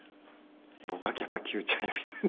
僕はやっぱり九ちゃん呼びたいな。